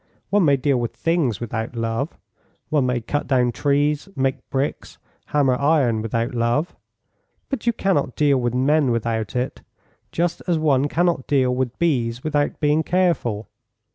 One may deal with things without love. One may cut down trees, make bricks, hammer iron without love; but you cannot deal with men without it, just as one cannot deal with bees without being careful.